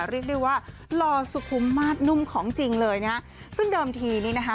เรียกได้ว่าหล่อสุขุมมาสนุ่มของจริงเลยนะฮะซึ่งเดิมทีนี้นะคะ